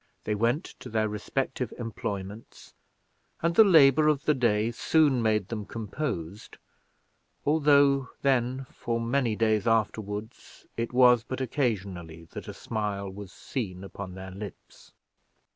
They went to their respective employments, and the labor of the day soon made them composed, although then, for many days afterward, it was but occasionally that a smile was seen upon their lips.